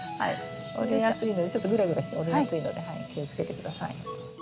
折れやすいのでちょっとグラグラして折れやすいので気をつけて下さい。